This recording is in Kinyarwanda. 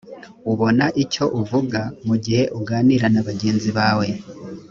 ubona icyo uvuga mu gihe uganira na bagenzi bawe